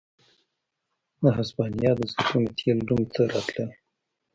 د هسپانیا د زیتونو تېل روم ته راتلل